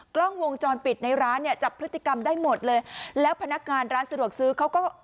กล้องวงจรปิดในร้านเนี่ยจับพฤติกรรมได้หมดเลยแล้วพนักงานร้านสะดวกซื้อเขาก็